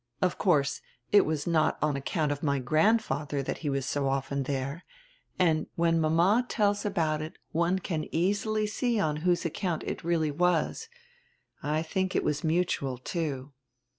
Of course, it was not on account of my grandfadier diat he was so often diere, and when mama tells about it one can easily see on whose account it really was, I diink it was mutual, too."